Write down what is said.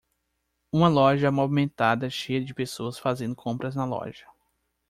Uma loja movimentada cheia de pessoas fazendo compras na loja.